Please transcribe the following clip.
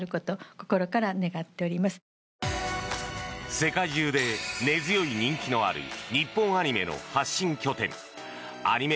世界中で根強い人気のある日本アニメの発信拠点アニメ